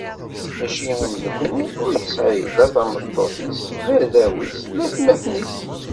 Maci am nekkni, ur isɛi la tameṭṭut-is, la arraw-is, la atmaten-is.